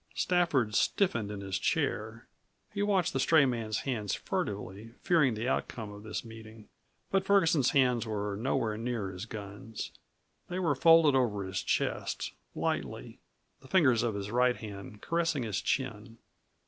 Stafford stiffened in his chair. He watched the stray man's hands furtively, fearing the outcome of this meeting. But Ferguson's hands were nowhere near his guns. They were folded over his chest lightly the fingers of his right hand caressing his chin.